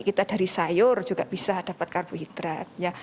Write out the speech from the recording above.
kita dari sayur juga bisa dapat karbohidrat